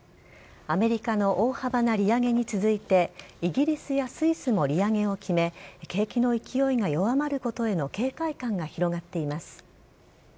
アメリカの大幅な利上げに続いてイギリスやスイスも利上げを決め景気の勢いが弱まることへの警戒感が広がっています。